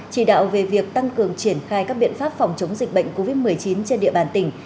chỉ đạo về việc tăng cường triển khai các biện pháp phòng chống dịch bệnh covid một mươi chín trên địa bàn tỉnh